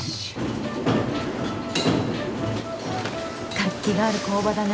活気がある工場だね。